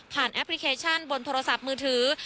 แอปพลิเคชันบนโทรศัพท์มือถือ